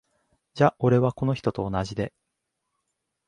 じゃ俺は、この人と同じで。